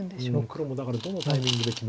黒もだからどのタイミングで決めるか。